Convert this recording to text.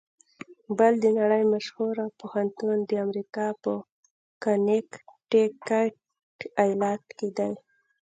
یل د نړۍ مشهوره پوهنتون د امریکا په کنېکټیکیټ ایالات کې ده.